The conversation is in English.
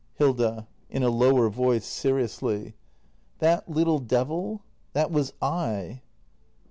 Hilda. [In a lower voice, seriously.] That little devil — that was 7.